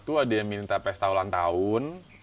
tuh ada yang minta pesta ulang tahun